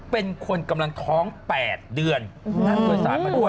เป็นคนกำลังท้อง๘เดือนนั่งโดยสารมาด้วย